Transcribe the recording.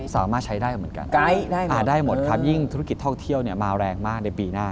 สามารถใช้ได้เหมือนกันได้หมดครับยิ่งธุรกิจท่องเที่ยวมาแรงมากในปีหน้า